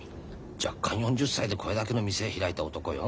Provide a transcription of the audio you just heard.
弱冠４０歳でこれだけの店開いた男よ。